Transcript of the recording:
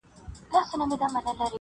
ځان د بل لپاره سوځول زده کړو -